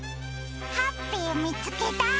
ハッピーみつけた！